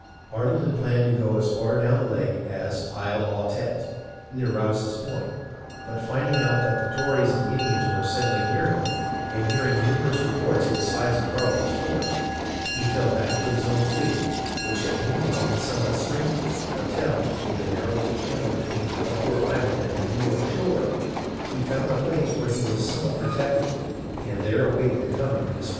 Arnold had planned to go as far down the lake as Isle Aux Tetes, near Rouse's Point, but finding out that the Tories and Indians were assembling near him, and hearing numerous reports of the size of Carleton's force, he fell back with his own fleet, which had meanwhile been somewhat strengthened, until, in the narrow little channel between Valcour Island and the New York shore, he found a place where he was somewhat protected, and there awaited the comins: of his foe.